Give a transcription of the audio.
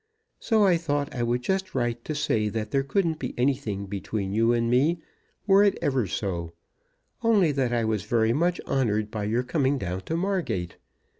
So I thought I would just write to say that there couldn't be anything between you and me, were it ever so; only that I was very much honoured by your coming down to Margate.